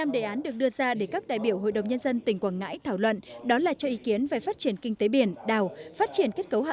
năm đề án được đưa ra để các đại biểu hội đồng nhân dân tỉnh quảng ngãi thảo luận đó là cho ý kiến về phát triển kinh tế biển đảo